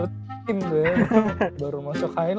lompatin satu tim gue baru masuk highland